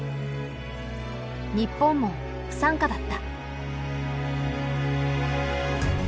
日本も不参加だった。